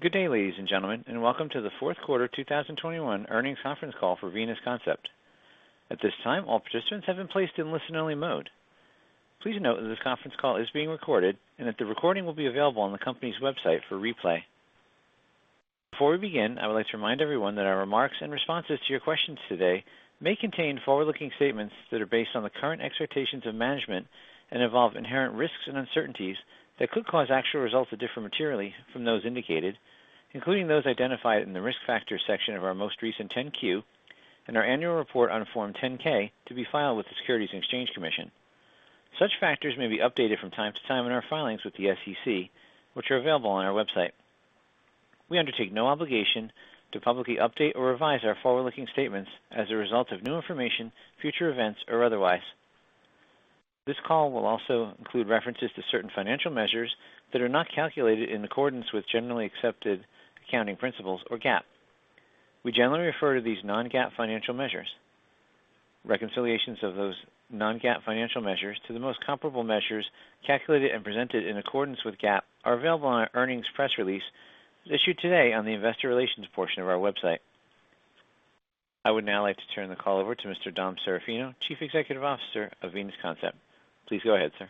Good day, ladies and gentlemen, and welcome to the Fourth Quarter 2021 Earnings Conference Call for Venus Concept. At this time, all participants have been placed in listen-only mode. Please note that this conference call is being recorded and that the recording will be available on the company's website for replay. Before we begin, I would like to remind everyone that our remarks and responses to your questions today may contain forward-looking statements that are based on the current expectations of management and involve inherent risks and uncertainties that could cause actual results to differ materially from those indicated, including those identified in the Risk Factors section of our most recent 10-Q and our Annual Report on Form 10-K to be filed with the Securities and Exchange Commission. Such factors may be updated from time to time in our filings with the SEC, which are available on our website. We undertake no obligation to publicly update or revise our forward-looking statements as a result of new information, future events, or otherwise. This call will also include references to certain financial measures that are not calculated in accordance with generally accepted accounting principles or GAAP. We generally refer to these non-GAAP financial measures. Reconciliations of those non-GAAP financial measures to the most comparable measures calculated and presented in accordance with GAAP are available on our earnings press release issued today on the investor relations portion of our website. I would now like to turn the call over to Mr. Dom Serafino, Chief Executive Officer of Venus Concept. Please go ahead, sir.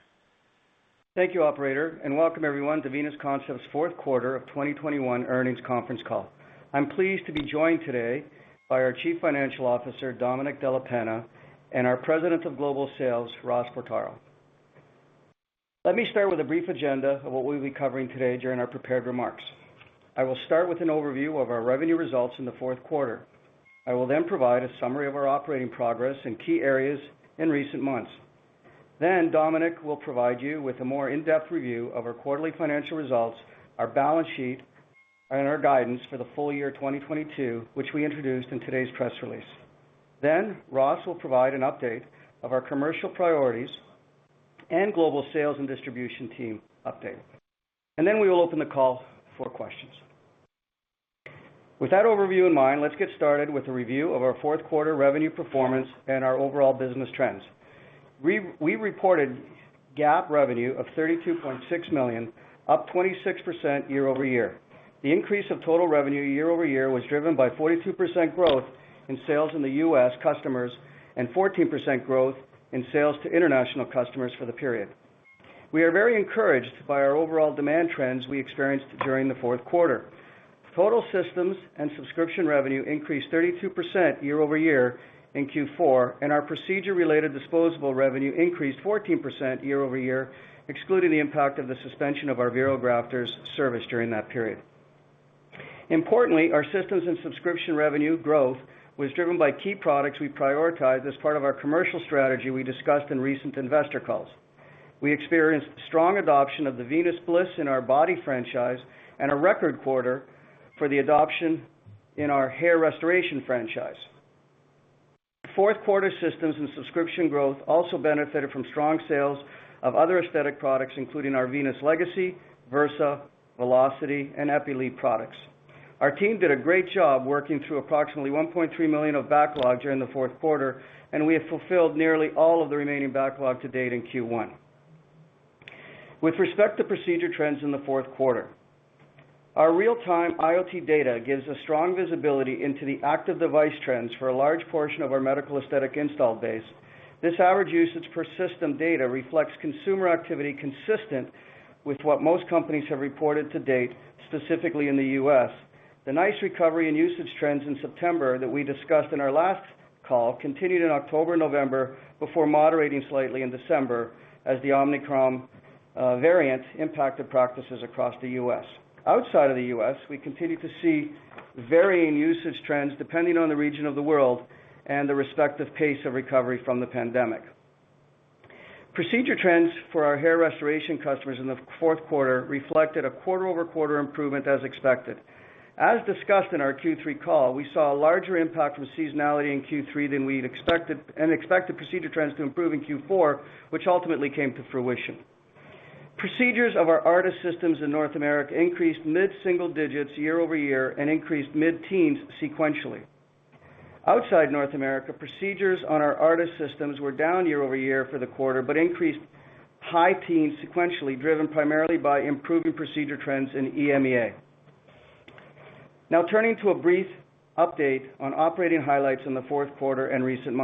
Thank you, operator, and welcome everyone to Venus Concept's Fourth Quarter of 2021 Earnings Conference Call. I'm pleased to be joined today by our Chief Financial Officer, Domenic Della Penna, and our President of Global Sales, Ross Portaro. Let me start with a brief agenda of what we'll be covering today during our prepared remarks. I will start with an overview of our revenue results in the fourth quarter. I will then provide a summary of our operating progress in key areas in recent months. Domenic will provide you with a more in-depth review of our quarterly financial results, our balance sheet, and our guidance for the full year 2022, which we introduced in today's press release. Then, Ross will provide an update of our commercial priorities and global sales and distribution team update. And then, we will open the call for questions. With that overview in mind, let's get started with a review of our fourth quarter revenue performance and our overall business trends. We reported GAAP revenue of $32.6 million, up 26% year-over-year. The increase of total revenue year-over-year was driven by 42% growth in sales in the U.S. customers and 14% growth in sales to international customers for the period. We are very encouraged by our overall demand trends we experienced during the fourth quarter. Total systems and subscription revenue increased 32% year-over-year in Q4, and our procedure-related disposable revenue increased 14% year-over-year, excluding the impact of the suspension of our NeoGraft's service during that period. Importantly, our systems and subscription revenue growth was driven by key products we prioritized as part of our commercial strategy we discussed in recent investor calls. We experienced strong adoption of the Venus Bliss in our body franchise and a record quarter for the adoption in our hair restoration franchise. Fourth quarter systems and subscription growth also benefited from strong sales of other aesthetic products, including our Venus Legacy, Versa, Velocity, and Epileve products. Our team did a great job working through approximately $1.3 million of backlog during the fourth quarter, and we have fulfilled nearly all of the remaining backlog to date in Q1. With respect to procedure trends in the fourth quarter, our real-time IoT data gives us strong visibility into the active device trends for a large portion of our medical aesthetic install base. This average usage per system data reflects consumer activity consistent with what most companies have reported to date, specifically in the U.S. The nice recovery in usage trends in September that we discussed in our last call continued in October, November, before moderating slightly in December as the Omicron variant impacted practices across the U.S. Outside of the U.S., we continue to see varying usage trends depending on the region of the world and the respective pace of recovery from the pandemic. Procedure trends for our hair restoration customers in the fourth quarter reflected a quarter-over-quarter improvement as expected. As discussed in our Q3 call, we saw a larger impact from seasonality in Q3 than we'd expected, and expected procedure trends to improve in Q4, which ultimately came to fruition. Procedures of our ARTAS systems in North America increased mid-single digits year-over-year and increased mid-teens sequentially. Outside North America, procedures on our ARTAS systems were down year-over-year for the quarter, but increased high teens sequentially, driven primarily by improving procedure trends in EMEA. Now turning to a brief update on operating highlights in the fourth quarter and recent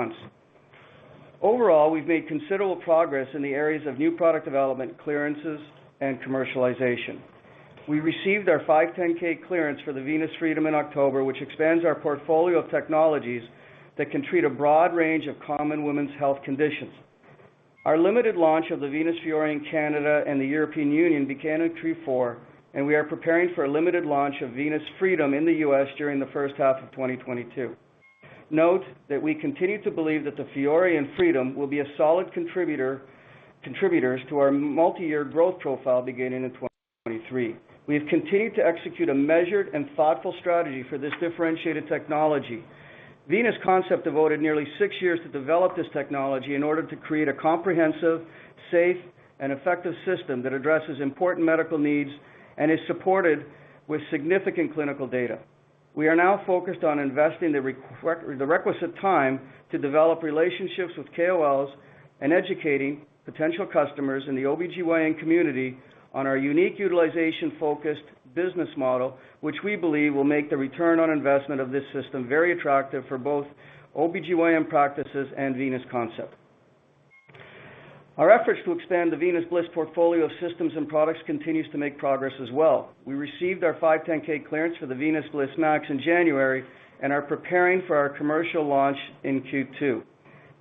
months. Overall, we've made considerable progress in the areas of new product development, clearances, and commercialization. We received our 510(k) clearance for the Venus Freedom in October, which expands our portfolio of technologies that can treat a broad range of common women's health conditions. Our limited launch of the Venus Fiore in Canada and the European Union began in Q4, and we are preparing for a limited launch of Venus Freedom in the U.S. during the first half of 2022. Note that we continue to believe that the Fiore and Freedom will be a solid contributors to our multi-year growth profile beginning in 2023. We have continued to execute a measured and thoughtful strategy for this differentiated technology. Venus Concept devoted nearly six years to develop this technology in order to create a comprehensive, safe, and effective system that addresses important medical needs and is supported with significant clinical data. We are now focused on investing the requisite time to develop relationships with KOLs and educating potential customers in the OBGYN community on our unique utilization focused business model, which we believe will make the return on investment of this system very attractive for both OBGYN practices and Venus Concept. Our efforts to expand the Venus Bliss portfolio of systems and products continues to make progress as well. We received our 510(k) clearance for the Venus Bliss MAX in January and are preparing for our commercial launch in Q2.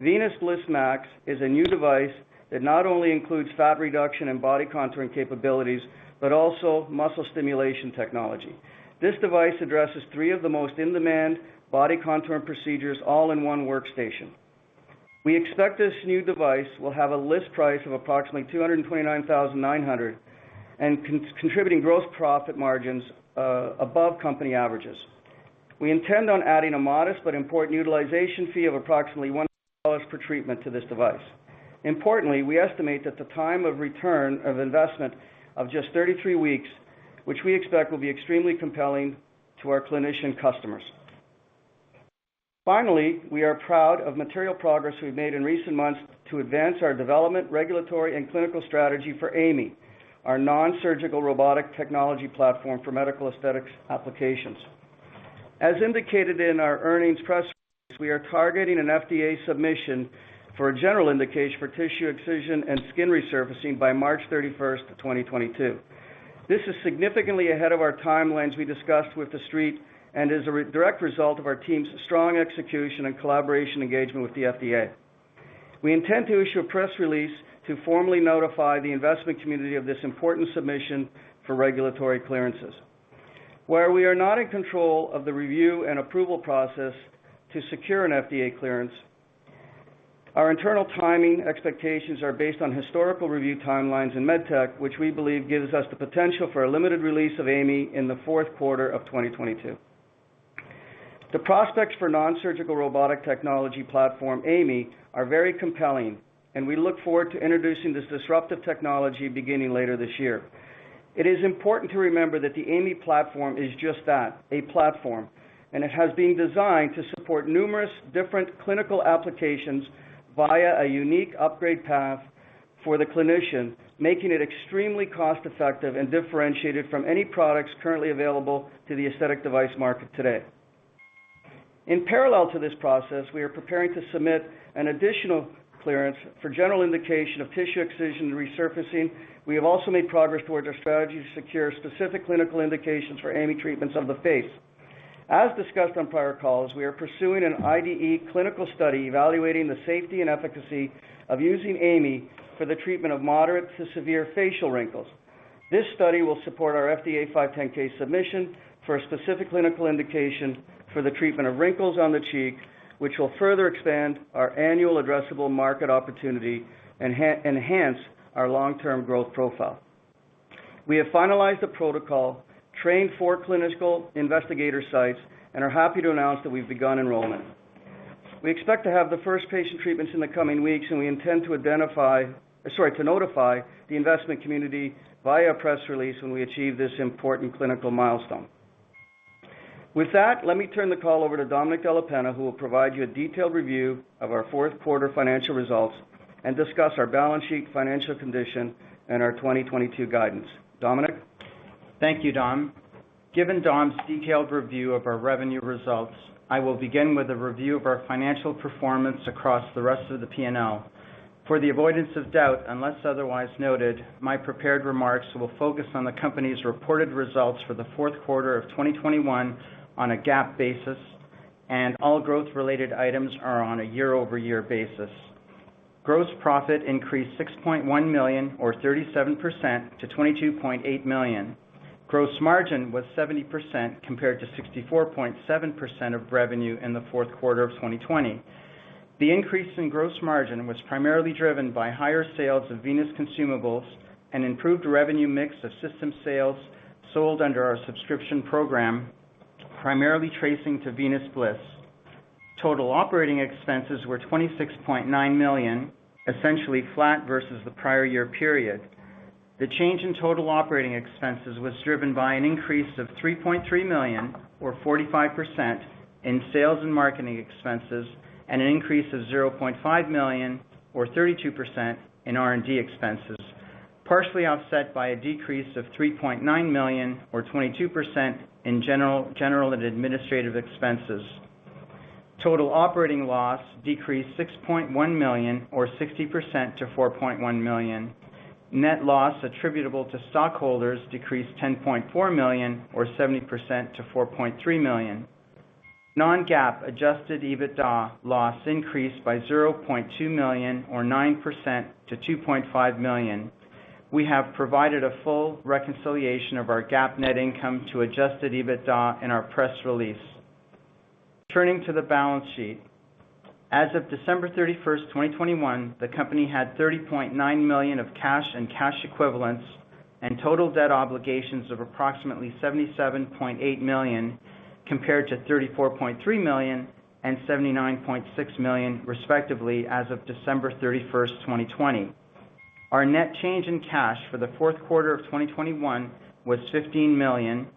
Venus Bliss MAX is a new device that not only includes fat reduction and body contouring capabilities, but also muscle stimulation technology. This device addresses three of the most in-demand body contouring procedures all in one workstation. We expect this new device will have a list price of approximately $229,900, contributing gross profit margins above company averages. We intend on adding a modest but important utilization fee of approximately $100 per treatment to this device. Importantly, we estimate that the time of return on investment of just 33 weeks, which we expect will be extremely compelling to our clinician customers. Finally, we are proud of material progress we've made in recent months to advance our development, regulatory, and clinical strategy for AI.ME, our nonsurgical robotic technology platform for medical aesthetics applications. As indicated in our earnings press release, we are targeting an FDA submission for a general indication for tissue excision and skin resurfacing by March 31, 2022. This is significantly ahead of our timelines we discussed with the Street, and is a direct result of our team's strong execution and collaborative engagement with the FDA. We intend to issue a press release to formally notify the investment community of this important submission for regulatory clearances, where we are not in control of the review and approval process to secure an FDA clearance. Our internal timing expectations are based on historical review timelines in med tech, which we believe gives us the potential for a limited release of AI.ME in the fourth quarter of 2022. The prospects for nonsurgical robotic technology platform AI.ME are very compelling, and we look forward to introducing this disruptive technology beginning later this year. It is important to remember that the AI.ME platform is just that, a platform, and it has been designed to support numerous different clinical applications via a unique upgrade path for the clinician, making it extremely cost-effective and differentiated from any products currently available to the aesthetic device market today. In parallel to this process, we are preparing to submit an additional clearance for general indication of tissue excision resurfacing. We have also made progress towards our strategy to secure specific clinical indications for AI.ME treatments of the face. As discussed on prior calls, we are pursuing an IDE clinical study evaluating the safety and efficacy of using AI.ME for the treatment of moderate to severe facial wrinkles. This study will support our FDA 510(k) submission for a specific clinical indication for the treatment of wrinkles on the cheek, which will further expand our annual addressable market opportunity and enhance our long-term growth profile. We have finalized the protocol, trained four clinical investigator sites, and are happy to announce that we've begun enrollment. We expect to have the first patient treatments in the coming weeks, and we intend to identify, sorry, to notify the investment community via press release when we achieve this important clinical milestone. With that, let me turn the call over to Domenic Della Penna, who will provide you a detailed review of our fourth quarter financial results and discuss our balance sheet financial condition and our 2022 guidance. Domenic. Thank you, Dom. Given Dom's detailed review of our revenue results, I will begin with a review of our financial performance across the rest of the P&L. For the avoidance of doubt, unless otherwise noted, my prepared remarks will focus on the company's reported results for the fourth quarter of 2021 on a GAAP basis, and all growth related items are on a year-over-year basis. Gross profit increased $6.1 million or 37% to $22.8 million. Gross margin was 70% compared to 64.7% of revenue in the fourth quarter of 2020. The increase in gross margin was primarily driven by higher sales of Venus consumables and improved revenue mix of system sales sold under our subscription program, primarily tracing to Venus Bliss. Total operating expenses were $26.9 million, essentially flat versus the prior year period. The change in total operating expenses was driven by an increase of $3.3 million or 45% in sales and marketing expenses, and an increase of $0.5 million or 32% in R&D expenses, partially offset by a decrease of $3.9 million or 22% in general and administrative expenses. Total operating loss decreased $6.1 million or 60% to $4.1 million. Net loss attributable to stockholders decreased $10.4 million or 70% to $4.3 million. Non-GAAP adjusted EBITDA loss increased by $0.2 million or 9% to $2.5 million. We have provided a full reconciliation of our GAAP net income to adjusted EBITDA in our press release. Turning to the balance sheet. As of December 31, 2021, the company had $30.9 million of cash and cash equivalents, and total debt obligations of approximately $77.8 million, compared to $34.3 million and $79.6 million respectively as of December 31, 2020. Our net change in cash for the fourth quarter of 2021 was $15 million,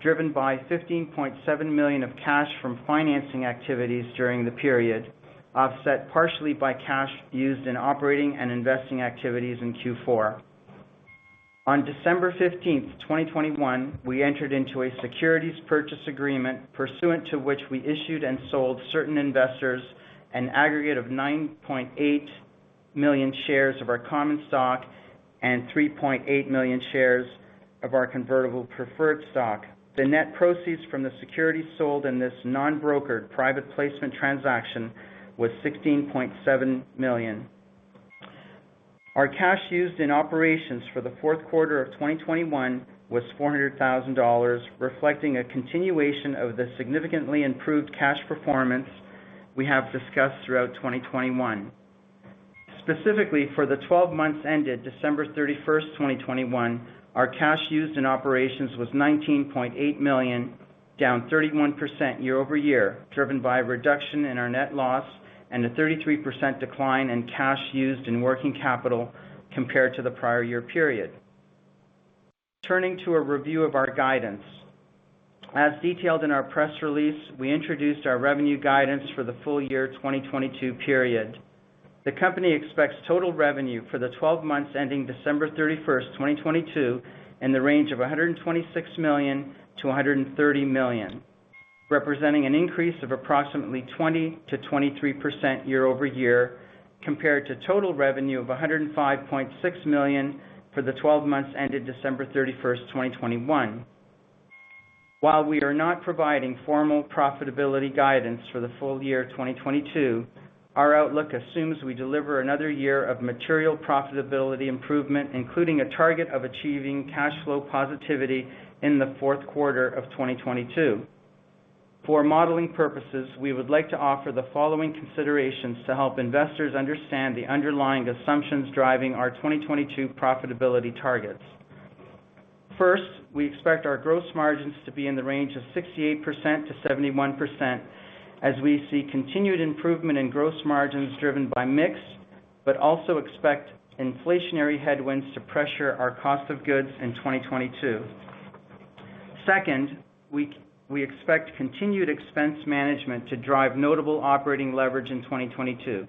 driven by $15.7 million of cash from financing activities during the period, offset partially by cash used in operating and investing activities in Q4. On December 15, 2021, we entered into a securities purchase agreement, pursuant to which we issued and sold certain investors an aggregate of 9.8 million shares of our common stock and 3.8 million shares of our convertible preferred stock. The net proceeds from the security sold in this non-brokered private placement transaction was $16.7 million. Our cash used in operations for the fourth quarter of 2021 was $400,000, reflecting a continuation of the significantly improved cash performance we have discussed throughout 2021. Specifically, for the 12 months ended December 31, 2021, our cash used in operations was $19.8 million, down 31% year-over-year, driven by a reduction in our net loss and a 33% decline in cash used in working capital compared to the prior year period. Turning to a review of our guidance. As detailed in our press release, we introduced our revenue guidance for the full year 2022 period. The company expects total revenue for the twelve months ending December 31, 2022 in the range of $126 million to $130 million, representing an increase of approximately 20% to 23% year-over-year compared to total revenue of $105.6 million for the twelve months ended December 31, 2021. While we are not providing formal profitability guidance for the full year 2022, our outlook assumes we deliver another year of material profitability improvement, including a target of achieving cash flow positivity in the fourth quarter of 2022. For modeling purposes, we would like to offer the following considerations to help investors understand the underlying assumptions driving our 2022 profitability targets. First, we expect our gross margins to be in the range of 68% to 71% as we see continued improvement in gross margins driven by mix, but also expect inflationary headwinds to pressure our cost of goods in 2022. Second, we expect continued expense management to drive notable operating leverage in 2022.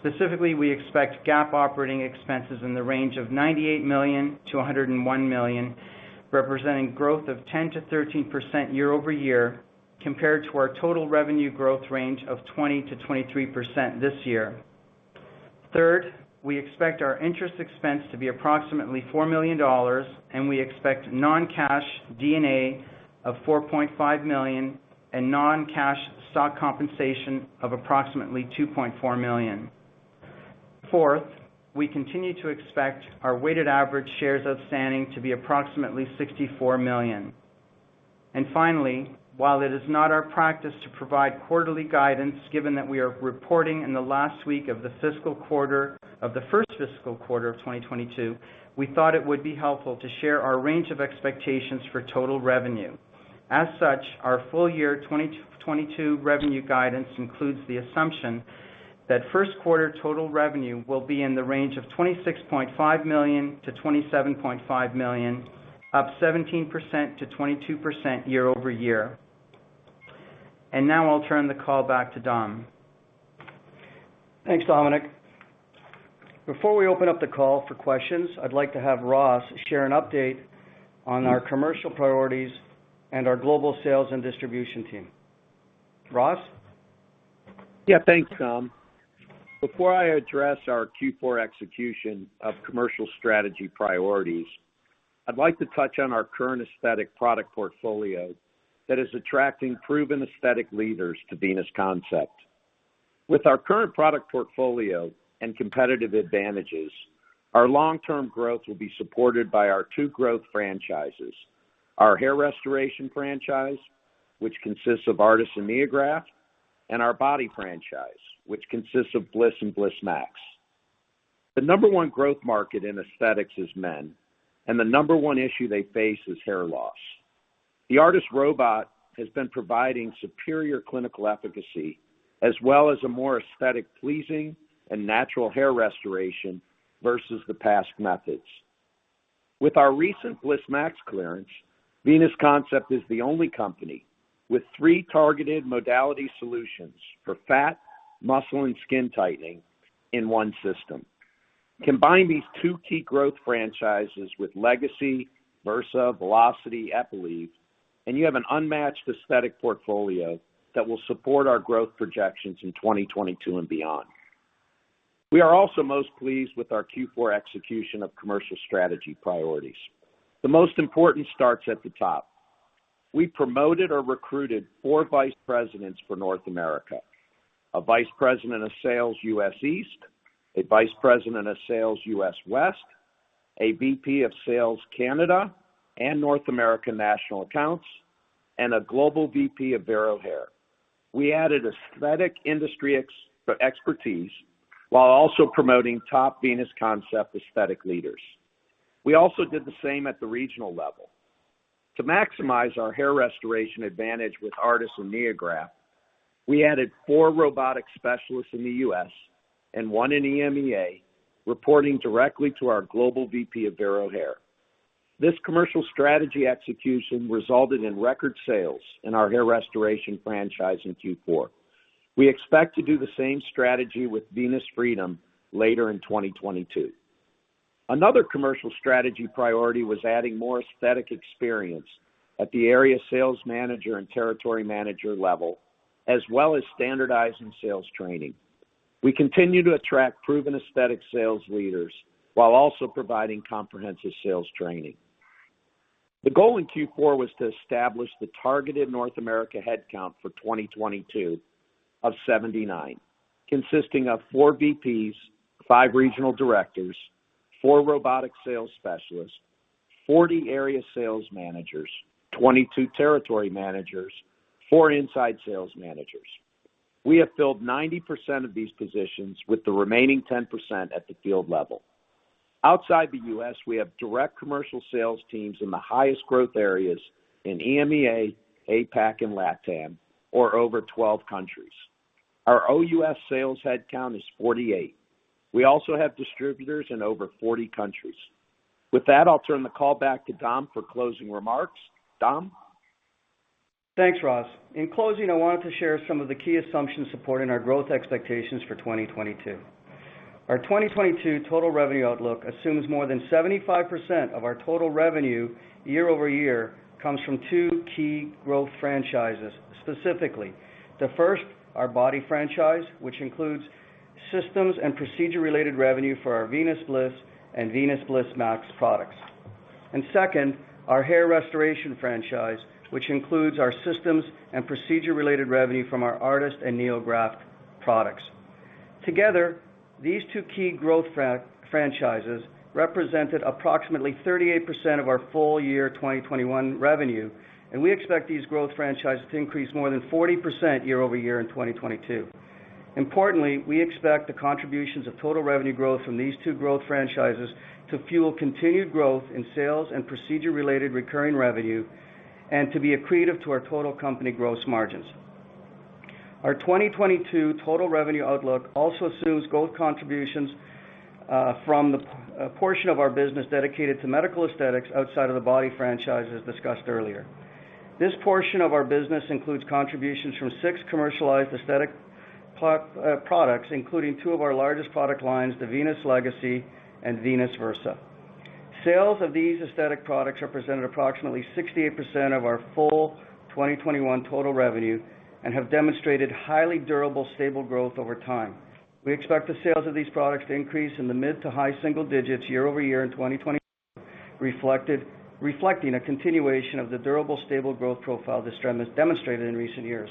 Specifically, we expect GAAP operating expenses in the range of $98 million to $101 million, representing growth of 10% to 13% year-over-year compared to our total revenue growth range of 20% to 23% this year. Third, we expect our interest expense to be approximately $4 million, and we expect non-cash D&A of $4.5 million and non-cash stock compensation of approximately $2.4 million. Fourth, we continue to expect our weighted average shares outstanding to be approximately 64 million. Finally, while it is not our practice to provide quarterly guidance, given that we are reporting in the last week of the first fiscal quarter of 2022, we thought it would be helpful to share our range of expectations for total revenue. As such, our full year 2022 revenue guidance includes the assumption that first quarter total revenue will be in the range of $26.5 million to $27.5 million, up 17% to 22% year-over-year. Now I'll turn the call back to Dom. Thanks, Domenic. Before we open up the call for questions, I'd like to have Ross share an update on our commercial priorities and our global sales and distribution team. Ross? Yeah, thanks, Dom. Before I address our Q4 execution of commercial strategy priorities, I'd like to touch on our current aesthetic product portfolio that is attracting proven aesthetic leaders to Venus Concept. With our current product portfolio and competitive advantages, our long-term growth will be supported by our two growth franchises, our hair restoration franchise, which consists of ARTAS and NeoGraft, and our body franchise, which consists of Bliss and Bliss MAX. The number one growth market in aesthetics is men, and the number one issue they face is hair loss. The ARTAS robot has been providing superior clinical efficacy as well as a more aesthetic pleasing and natural hair restoration versus the past methods. With our recent Bliss MAX clearance, Venus Concept is the only company with three targeted modality solutions for fat, muscle, and skin tightening in one system. Combine these two key growth franchises with Legacy, Versa, Velocity, Epileve, and you have an unmatched aesthetic portfolio that will support our growth projections in 2022 and beyond. We are also most pleased with our Q4 execution of commercial strategy priorities. The most important starts at the top. We promoted or recruited four Vice Presidents for North America, a Vice President of sales, U.S. East, a Vice President of sales U.S. West, a VP of sales Canada and North American National Accounts, and a global VP of VERO Hair. We added aesthetic industry expertise while also promoting top Venus Concept aesthetic leaders. We also did the same at the regional level. To maximize our hair restoration advantage with ARTAS and NeoGraft, we added four robotic specialists in the U.S. and one in EMEA, reporting directly to our global VP of VERO Hair. This commercial strategy execution resulted in record sales in our hair restoration franchise in Q4. We expect to do the same strategy with Venus Freedom later in 2022. Another commercial strategy priority was adding more aesthetic experience at the area sales manager and territory manager level, as well as standardizing sales training. We continue to attract proven aesthetic sales leaders while also providing comprehensive sales training. The goal in Q4 was to establish the targeted North America headcount for 2022 of 79, consisting of four VP's, five regional directors, four robotic sales specialists, 40 area sales managers, 22 territory managers, four inside sales managers. We have filled 90% of these positions, with the remaining 10% at the field level. Outside the U.S., we have direct commercial sales teams in the highest growth areas in EMEA, APAC, and LATAM, or over 12 countries. Our OUS sales headcount is 48. We also have distributors in over 40 countries. With that, I'll turn the call back to Dom for closing remarks. Dom? Thanks, Ross. In closing, I wanted to share some of the key assumptions supporting our growth expectations for 2022. Our 2022 total revenue outlook assumes more than 75% of our total revenue year-over-year comes from two key growth franchises. Specifically, the first, our body franchise, which includes systems and procedure-related revenue for our Venus Bliss and Venus Bliss MAX products. Second, our hair restoration franchise, which includes our systems and procedure-related revenue from our ARTAS and NeoGraft products. Together, these two key growth franchises represented approximately 38% of our full year 2021 revenue, and we expect these growth franchises to increase more than 40% year-over-year in 2022. Importantly, we expect the contributions of total revenue growth from these two growth franchises to fuel continued growth in sales and procedure-related recurring revenue and to be accretive to our total company gross margins. Our 2022 total revenue outlook also assumes growth contributions from a portion of our business dedicated to medical aesthetics outside of the body franchise, as discussed earlier. This portion of our business includes contributions from six commercialized aesthetic products, including two of our largest product lines, the Venus Legacy and Venus Versa. Sales of these aesthetic products represented approximately 68% of our full 2021 total revenue and have demonstrated highly durable, stable growth over time. We expect the sales of these products to increase in the mid to high-single digits year-over-year in 2022, reflecting a continuation of the durable, stable growth profile this trend has demonstrated in recent years.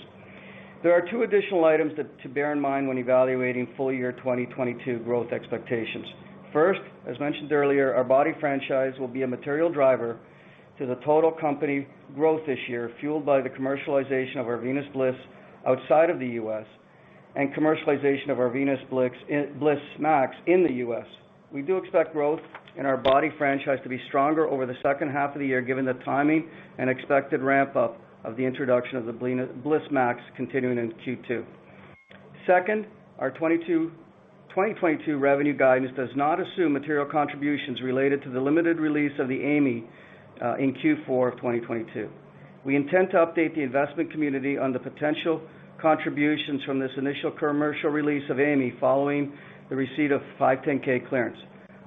There are two additional items that to bear in mind when evaluating full-year 2022 growth expectations. First, as mentioned earlier, our body franchise will be a material driver to the total company growth this year, fueled by the commercialization of our Venus Bliss outside of the U.S. and commercialization of our Venus Bliss MAX in the U.S. We do expect growth in our body franchise to be stronger over the second half of the year, given the timing and expected ramp up of the introduction of the Bliss MAX continuing into Q2. Second, our 2022 revenue guidance does not assume material contributions related to the limited release of the AI.ME in Q4 of 2022. We intend to update the investment community on the potential contributions from this initial commercial release of AI.ME following the receipt of 510(k) clearance.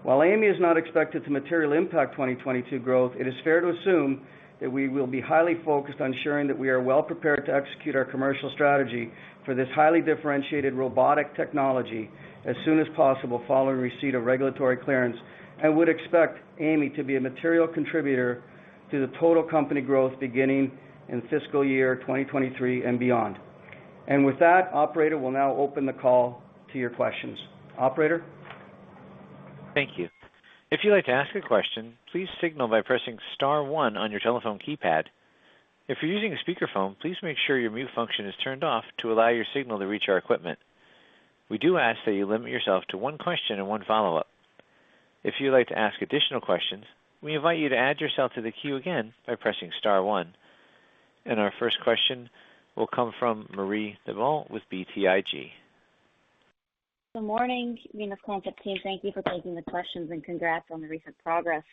While AI.ME is not expected to materially impact 2022 growth, it is fair to assume that we will be highly focused on ensuring that we are well prepared to execute our commercial strategy for this highly differentiated robotic technology as soon as possible following receipt of regulatory clearance and would expect AI.ME to be a material contributor to the total company growth beginning in fiscal year 2023 and beyond. With that, operator, we'll now open the call to your questions. Operator? Thank you. If you'd like to ask a question, please signal by pressing star one on your telephone keypad. If you're using a speakerphone, please make sure your mute function is turned off to allow your signal to reach our equipment. We do ask that you limit yourself to one question and one follow-up. If you'd like to ask additional questions, we invite you to add yourself to the queue again by pressing star one. Our first question will come from Marie Thibault with BTIG. Good morning, Venus Concept team. Thank you for taking the questions and congrats on the recent progress.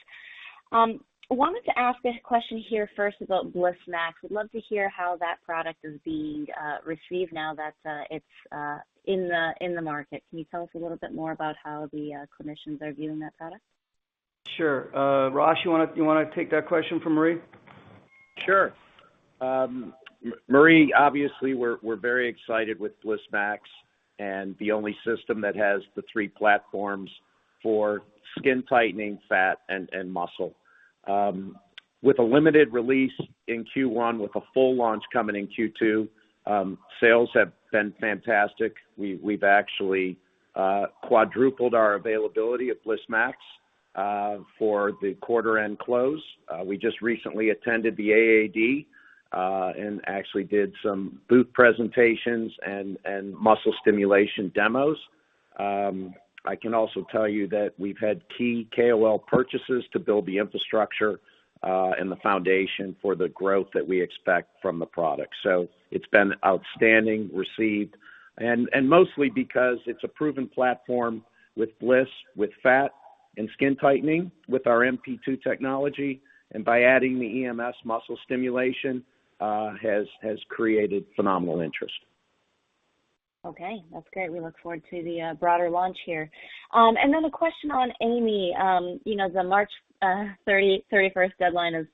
I wanted to ask a question here first about Bliss MAX. We'd love to hear how that product is being received now that it's in the market. Can you tell us a little bit more about how the clinicians are viewing that product? Sure. Ross, you wanna take that question from Marie? Sure. Marie, obviously we're very excited with Bliss MAX and the only system that has the three platforms for skin tightening, fat, and muscle. With a limited release in Q1 with a full launch coming in Q2, sales have been fantastic. We've actually quadrupled our availability of Bliss MAX for the quarter end close. We just recently attended the AAD and actually did some booth presentations and muscle stimulation demos. I can also tell you that we've had key KOL purchases to build the infrastructure and the foundation for the growth that we expect from the product. It's been outstandingly received, and mostly because it's a proven platform with Bliss, with fat and skin tightening, with our (MP)² technology. By adding the EMS muscle stimulation has created phenomenal interest. Okay. That's great. We look forward to the broader launch here. A question on AI.ME. You know, the March 31 deadline is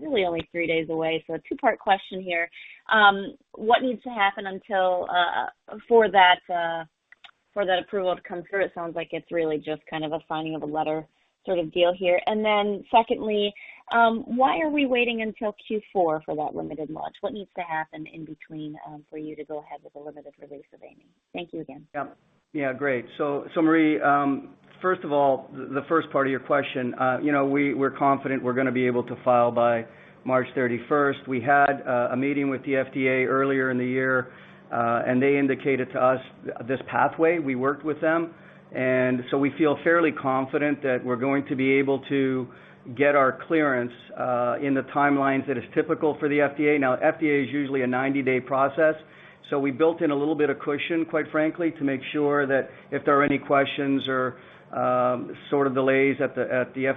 really only three days away. A two-part question here. What needs to happen for that approval to come through? It sounds like it's really just kind of a signing of a letter sort of deal here. Secondly, why are we waiting until Q4 for that limited launch? What needs to happen in between for you to go ahead with the limited release of AI.ME? Thank you again. Yeah. Yeah, great. Marie, first of all, the first part of your question, you know, we're confident we're gonna be able to file by March 31. We had a meeting with the FDA earlier in the year, and they indicated to us this pathway. We worked with them. We feel fairly confident that we're going to be able to get our clearance in the timelines that is typical for the FDA. Now, FDA is usually a 90-day process, so we built in a little bit of cushion, quite frankly, to make sure that if there are any questions or sort of delays at the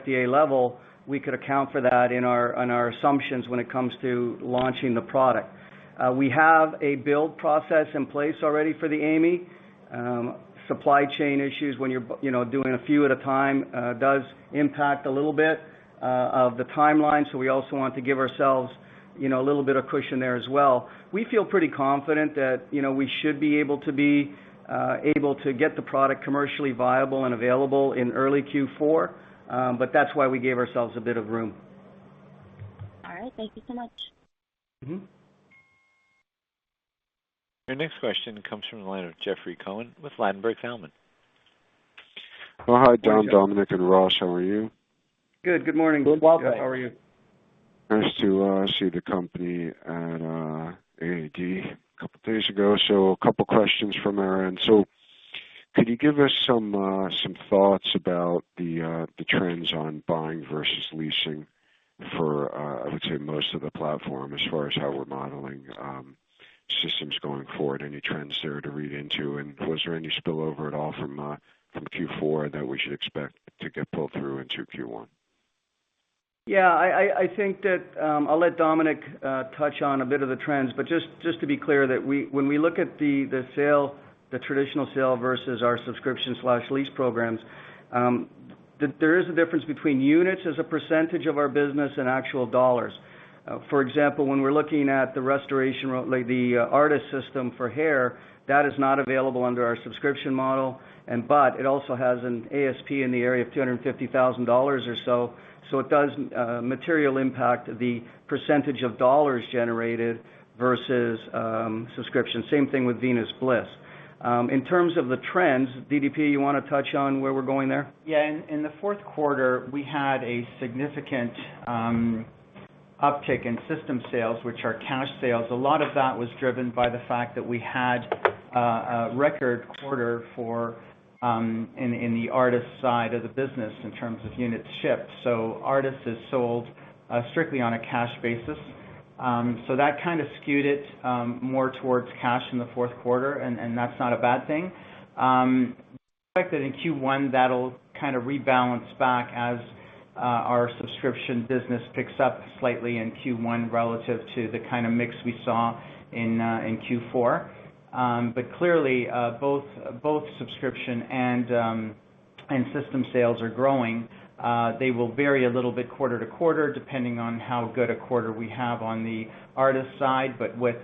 FDA level, we could account for that in our assumptions when it comes to launching the product. We have a build process in place already for the AI.ME. Supply chain issues when you're you know, doing a few at a time does impact a little bit of the timeline, so we also want to give ourselves you know, a little bit of cushion there as well. We feel pretty confident that you know, we should be able to get the product commercially viable and available in early Q4. That's why we gave ourselves a bit of room. All right. Thank you so much. Your next question comes from the line of Jeffrey Cohen with Ladenburg Thalmann. Oh, hi, Dom, Domenic, and Ross. How are you? Good. Good morning. Good. Welcome. How are you? Nice to see the company at AAD a couple days ago. A couple questions from our end. Could you give us some thoughts about the trends on buying versus leasing for, I would say, most of the platform as far as how we're modeling systems going forward? Any trends there to read into? Was there any spillover at all from Q4 that we should expect to get pulled through into Q1? Yeah, I think that I'll let Domenic touch on a bit of the trends, but just to be clear that when we look at the sale, the traditional sale versus our subscription/lease programs, there is a difference between units as a percentage of our business and actual dollars. For example, when we're looking at the restoration, like the ARTAS system for hair, that is not available under our subscription model. But it also has an ASP in the area of $250,000 or so it does materially impact the percentage of dollars generated versus subscription. Same thing with Venus Bliss. In terms of the trends, DDP, you wanna touch on where we're going there? Yeah. In the fourth quarter, we had a significant uptick in system sales, which are cash sales. A lot of that was driven by the fact that we had a record quarter for the ARTAS side of the business in terms of units shipped. ARTAS is sold strictly on a cash basis. That kind of skewed it more towards cash in the fourth quarter, and that's not a bad thing. Expect that in Q1 that'll kind of rebalance back as our subscription business picks up slightly in Q1 relative to the kind of mix we saw in Q4. Clearly both subscription and system sales are growing. They will vary a little bit quarter-to-quarter depending on how good a quarter we have on the ARTAS side. With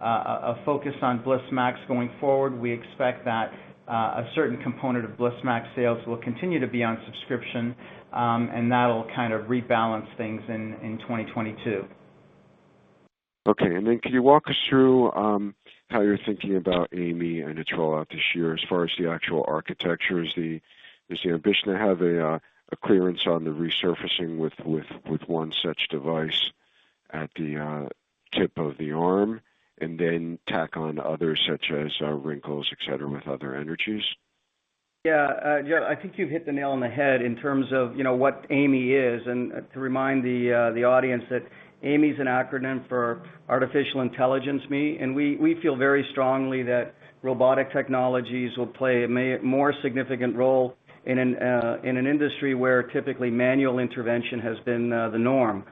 a focus on Bliss MAX going forward, we expect that a certain component of Bliss MAX sales will continue to be on subscription, and that'll kind of rebalance things in 2022. Okay. Can you walk us through how you're thinking about AI.ME and its rollout this year as far as the actual architecture? Is the ambition to have a clearance on the resurfacing with one such device at the tip of the arm and then tack on others such as wrinkles, et cetera, with other energies? Yeah. Yeah, I think you've hit the nail on the head in terms of, you know, what AI.ME is, and to remind the audience that AI.ME is an acronym for Artificial Intelligence Me. We feel very strongly that robotic technologies will play a more significant role in an industry where typically manual intervention has been the norm.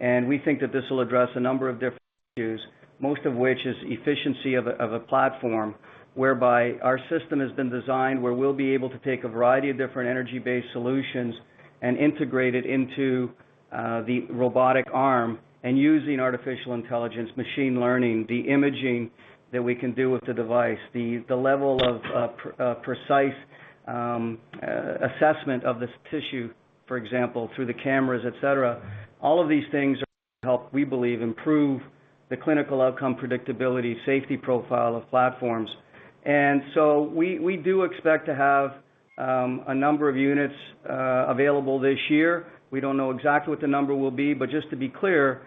We think that this will address a number of different issues, most of which is efficiency of a platform whereby our system has been designed, where we'll be able to take a variety of different energy-based solutions and integrate it into the robotic arm and using artificial intelligence, machine learning, the imaging that we can do with the device, the level of precise assessment of this tissue, for example, through the cameras, et cetera. All of these things help, we believe, improve the clinical outcome, predictability, safety profile of platforms. We do expect to have a number of units available this year. We don't know exactly what the number will be, but just to be clear,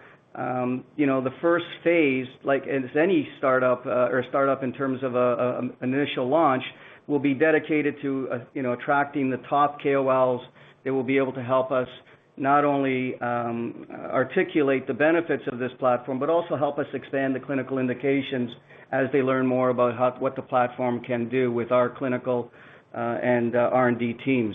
you know, the first phase, like as any startup, or startup in terms of, an initial launch. Will be dedicated to, you know, attracting the top KOLs that will be able to help us not only, articulate the benefits of this platform, but also help us expand the clinical indications as they learn more about what the platform can do with our clinical, and, R&D teams.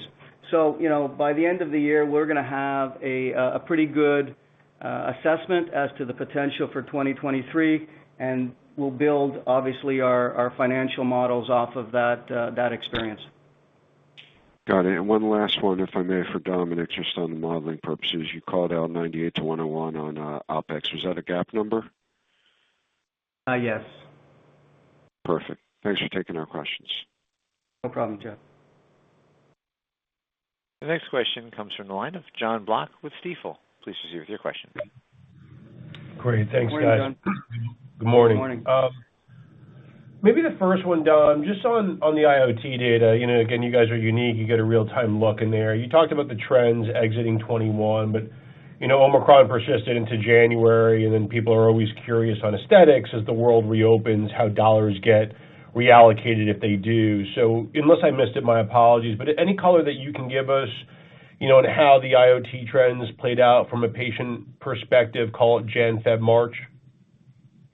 You know, by the end of the year, we're gonna have a pretty good assessment as to the potential for 2023, and we'll build, obviously, our financial models off of that experience. Got it. One last one, if I may, for Dom, and it's just on the modeling purposes. You called out 98 to 101 on OpEx. Was that a GAAP number? Yes. Perfect. Thanks for taking our questions. No problem, Jeff. The next question comes from the line of Jon Block with Stifel. Please proceed with your question. Great. Thanks, guys. Good morning, Jon. Good morning. Maybe the first one, Dom, just on the IoT data. You know, again, you guys are unique. You get a real-time look in there. You talked about the trends exiting 2021, but you know, Omicron persisted into January, and then people are always curious on aesthetics as the world reopens, how dollars get reallocated, if they do. Unless I missed it, my apologies, but any color that you can give us, you know, on how the IoT trends played out from a patient perspective, call it January, February, March?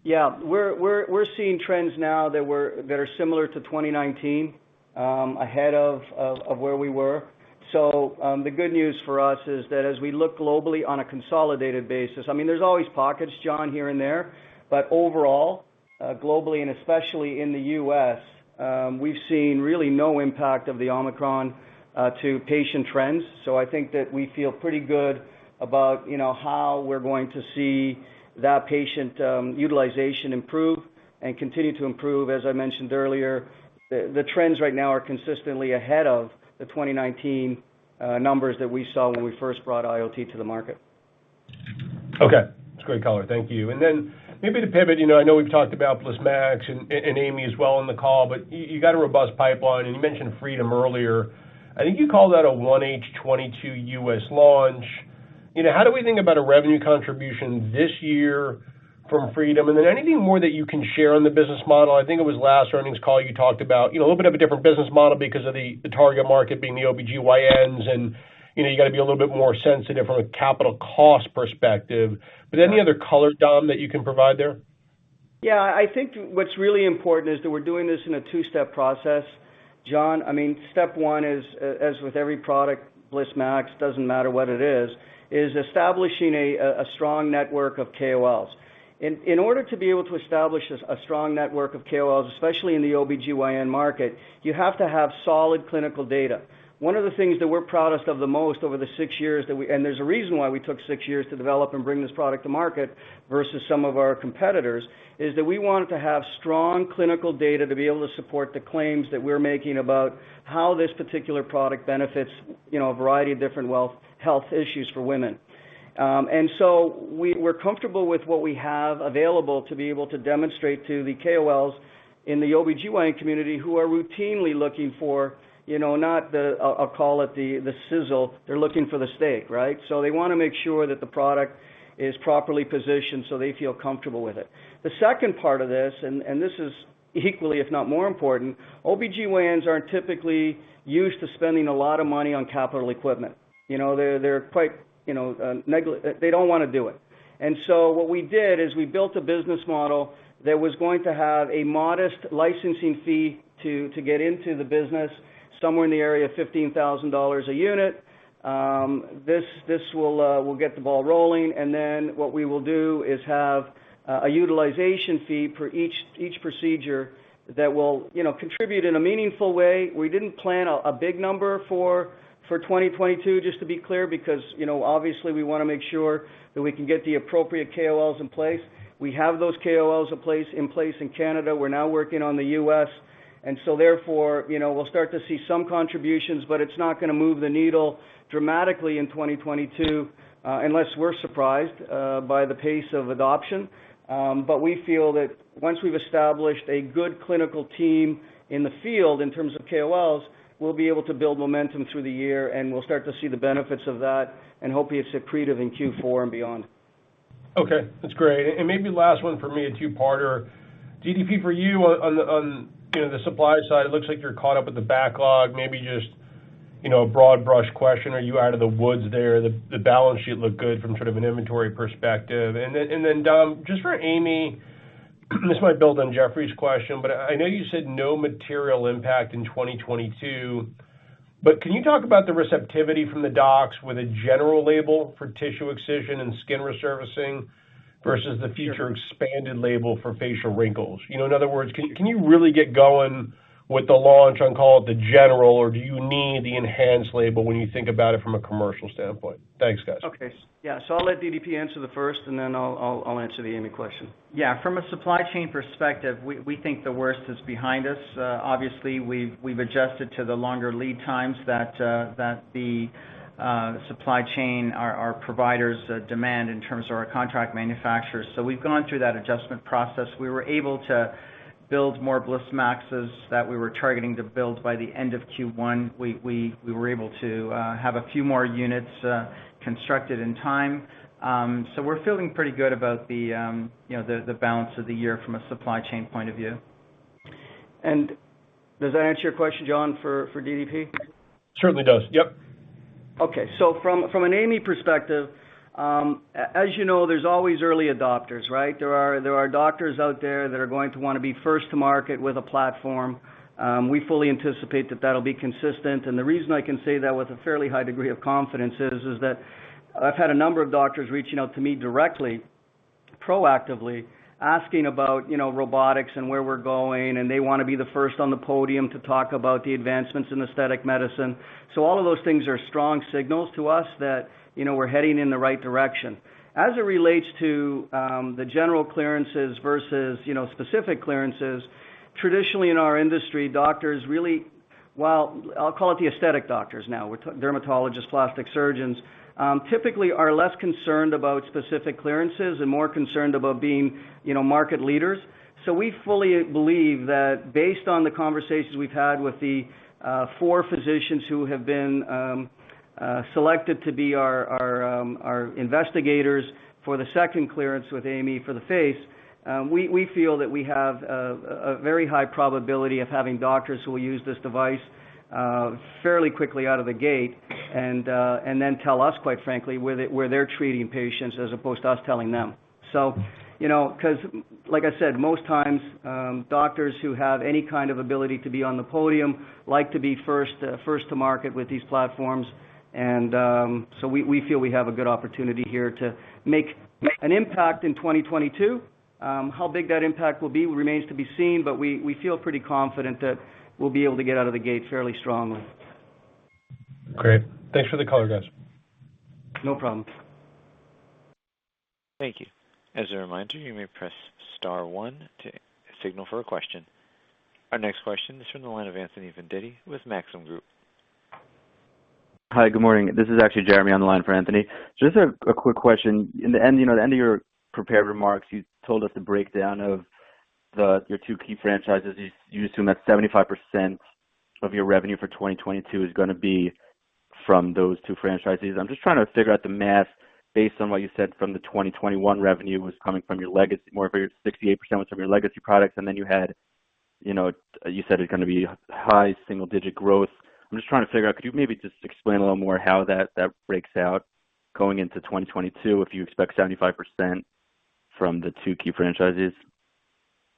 Yeah. We're seeing trends now that are similar to 2019, ahead of where we were. The good news for us is that as we look globally on a consolidated basis, I mean, there's always pockets, Jon, here and there. But overall, globally and especially in the U.S., we've seen really no impact of the Omicron to patient trends. I think that we feel pretty good about, you know, how we're going to see that patient utilization improve and continue to improve. As I mentioned earlier, the trends right now are consistently ahead of the 2019 numbers that we saw when we first brought IoT to the market. Okay. That's great color. Thank you. And then, maybe to pivot, you know, I know we've talked about Bliss MAX and AI.ME as well on the call, but you got a robust pipeline, and you mentioned Freedom earlier. I think you called that a 1H 2022 U.S. launch. You know, how do we think about a revenue contribution this year from Freedom? And then anything more that you can share on the business model? I think it was last earnings call you talked about, you know, a little bit of a different business model because of the target market being the OB-GYNs and, you know, you gotta be a little bit more sensitive from a capital cost perspective. But any other color, Dom, that you can provide there? Yeah. I think what's really important is that we're doing this in a two-step process. Jon, I mean, step one is, as with every product, Bliss MAX, doesn't matter what it is establishing a strong network of KOLs. In order to be able to establish a strong network of KOLs, especially in the OB-GYN market, you have to have solid clinical data. One of the things that we're proudest of the most over the six years there's a reason why we took six years to develop and bring this product to market versus some of our competitors, is that we wanted to have strong clinical data to be able to support the claims that we're making about how this particular product benefits, you know, a variety of different health issues for women. We're comfortable with what we have available to be able to demonstrate to the KOLs in the OB-GYN community who are routinely looking for, you know, not the, I'll call it the sizzle. They're looking for the steak, right? They wanna make sure that the product is properly positioned so they feel comfortable with it. The second part of this, and this is equally, if not more important, OB-GYNs aren't typically used to spending a lot of money on capital equipment. You know, they're quite, you know, they don't wanna do it. What we did is we built a business model that was going to have a modest licensing fee to get into the business, somewhere in the area of $15,000 a unit. This will get the ball rolling, and then what we will do is have a utilization fee for each procedure that will, you know, contribute in a meaningful way. We didn't plan a big number for 2022, just to be clear, because, you know, obviously we wanna make sure that we can get the appropriate KOLs in place. We have those KOLs in place in Canada. We're now working on the U.S. You know, we'll start to see some contributions, but it's not gonna move the needle dramatically in 2022, unless we're surprised by the pace of adoption. We feel that once we've established a good clinical team in the field in terms of KOLs, we'll be able to build momentum through the year, and we'll start to see the benefits of that and hopefully accretive in Q4 and beyond. Okay, that's great. Maybe last one for me, a two-parter. DDP, for you on the supply side, it looks like you're caught up with the backlog, maybe just a broad brush question. Are you out of the woods there? The balance sheet looked good from sort of an inventory perspective. Then, Dom, just for AI.ME, this might build on Jeffrey's question, but I know you said no material impact in 2022, but can you talk about the receptivity from the docs with a general label for tissue excision and skin resurfacing versus the future expanded label for facial wrinkles? You know, in other words, can you really get going with the launch on, call it, the general or do you need the enhanced label when you think about it from a commercial standpoint? Thanks, guys. Okay. Yeah. I'll let DDP answer the first, and then I'll answer the AI.ME question. Yeah. From a supply chain perspective, we think the worst is behind us. Obviously, we've adjusted to the longer lead times that the supply chain our providers demand in terms of our contract manufacturers. We've gone through that adjustment process. We were able to Build more Bliss MAX's that we were targeting to build by the end of Q1. We were able to have a few more units constructed in time. We're feeling pretty good about you know, the balance of the year from a supply chain point of view. Does that answer your question, Jon, for DDP? Certainly does. Yep. Okay. From an AI.ME perspective, as you know, there's always early adopters, right? There are doctors out there that are going to wanna be first to market with a platform. We fully anticipate that that'll be consistent. The reason I can say that with a fairly high degree of confidence is that I've had a number of doctors reaching out to me directly, proactively, asking about, you know, robotics and where we're going, and they wanna be the first on the podium to talk about the advancements in aesthetic medicine. All of those things are strong signals to us that, you know, we're heading in the right direction. As it relates to the general clearances versus, you know, specific clearances, traditionally, in our industry, doctors really. Well, I'll call it the aesthetic doctors now, with dermatologists, plastic surgeons, typically are less concerned about specific clearances and more concerned about being, you know, market leaders. We fully believe that based on the conversations we've had with the four physicians who have been selected to be our investigators for the second clearance with AI.ME for the face, we feel that we have a very high probability of having doctors who will use this device fairly quickly out of the gate, and then tell us, quite frankly, where they're treating patients as opposed to us telling them. You know, 'cause, like I said, most times, doctors who have any kind of ability to be on the podium like to be first to market with these platforms. We feel we have a good opportunity here to make an impact in 2022. How big that impact will be remains to be seen, but we feel pretty confident that we'll be able to get out of the gate fairly strongly. Great. Thanks for the color, guys. No problem. Thank you. As a reminder, you may press star one to signal for a question. Our next question is from the line of Anthony Vendetti with Maxim Group. Hi. Good morning. This is actually Jeremy on the line for Anthony. Just a quick question. In the end, you know, the end of your prepared remarks, you told us the breakdown of your two key franchises. You assume that 75% of your revenue for 2022 is gonna be from those two franchises. I'm just trying to figure out the math based on what you said from the 2021 revenue was coming from your legacy products, 68% was from your legacy products, and then you had, you know, you said it's gonna be high single-digit growth. I'm just trying to figure out, could you maybe just explain a little more how that breaks out going into 2022, if you expect 75% from the two key franchises?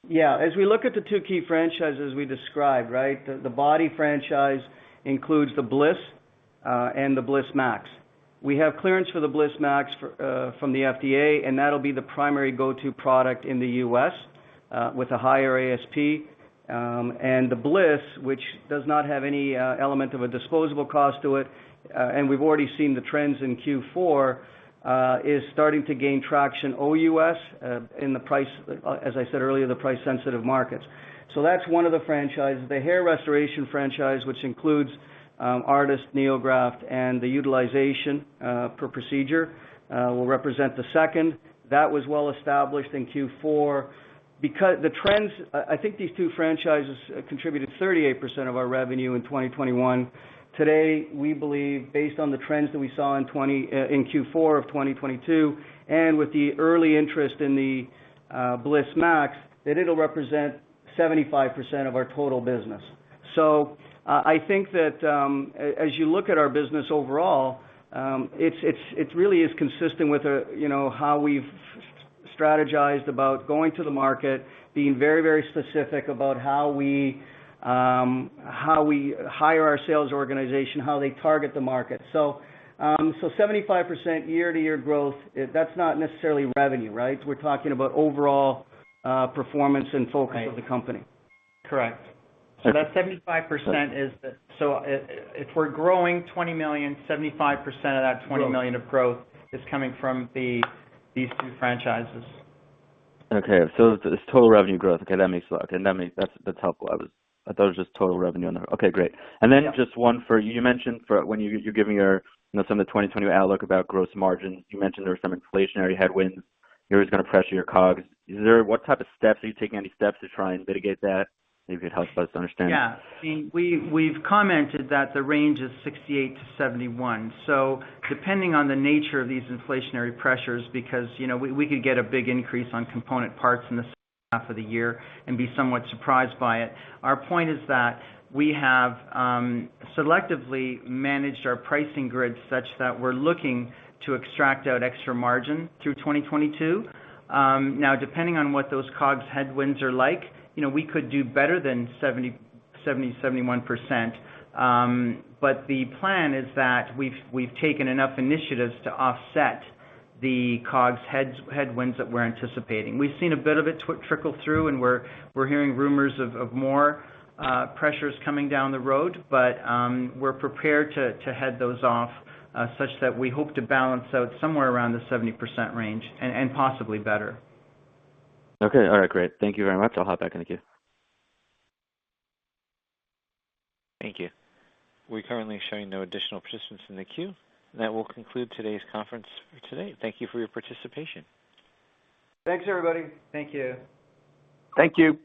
Yeah. As we look at the two key franchises we described, right? The body franchise includes the Bliss and the Bliss MAX. We have clearance for the Bliss MAX from the FDA, and that'll be the primary go-to product in the U.S. with a higher ASP. And the Bliss, which does not have any element of a disposable cost to it, and we've already seen the trends in Q4 is starting to gain traction OUS in the price as I said earlier, the price-sensitive markets. That's one of the franchises. The hair restoration franchise, which includes ARTAS, NeoGraft, and the utilization per procedure will represent the second. That was well established in Q4. Because the trends I think these two franchises contributed 38% of our revenue in 2021. Today, we believe based on the trends that we saw in Q4 of 2022, and with the early interest in the Bliss MAX, that it'll represent 75% of our total business. I think that as you look at our business overall, it really is consistent with you know how we've strategized about going to the market, being very, very specific about how we hire our sales organization, how they target the market. 75% year-over-year growth, that's not necessarily revenue, right? We're talking about overall performance and focus of the company. Correct. That 75% is the... If we're growing $20 million, 75% of that $20 million of growth is coming from the, these two franchises. Okay. It's total revenue growth. Okay, that makes. That's helpful. I thought it was just total revenue on the. Okay, great. Yeah. Just one for you. You mentioned when you're giving your, you know, some of the 2020 outlook about gross margin. You mentioned there were some inflationary headwinds here, which is gonna pressure your COGS. What type of steps are you taking, any steps, to try and mitigate that? Maybe it helps us understand. Yeah. I mean, we've commented that the range is 68% to 71%. Depending on the nature of these inflationary pressures, because, you know, we could get a big increase on component parts in the second half of the year and be somewhat surprised by it. Our point is that we have selectively managed our pricing grid such that we're looking to extract out extra margin through 2022. Now, depending on what those COGS headwinds are like, you know, we could do better than 71%. But the plan is that we've taken enough initiatives to offset the COGS headwinds that we're anticipating. We've seen a bit of it trickle through, and we're hearing rumors of more pressures coming down the road. We're prepared to head those off, such that we hope to balance out somewhere around the 70% range and possibly better. Okay. All right, great. Thank you very much. I'll hop back in the queue. Thank you. We're currently showing no additional participants in the queue. That will conclude today's conference for today. Thank you for your participation. Thanks, everybody. Thank you. Thank you.